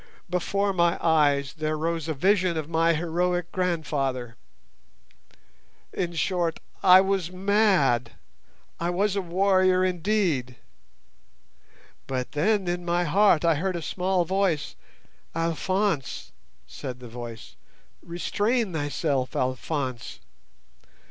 Before my eyes there rose a vision of my heroic grandfather! In short, I was mad! I was a warrior indeed! But then in my heart I heard a small voice: 'Alphonse,' said the voice, 'restrain thyself, Alphonse!